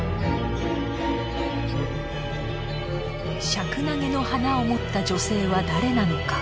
シャクナゲの花を持った女性は誰なのか？